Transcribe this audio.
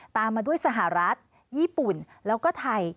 ตามมาด้วยสหรัฐญี่ปุ่นแล้วก็ไทย